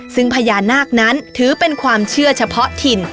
ซึ่งพญานาคนั้นถือเป็นความเชื่อเฉพาะถิ่น